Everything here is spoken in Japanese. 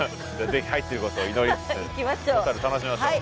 ぜひ入ってることを祈りつつ小樽楽しみましょう。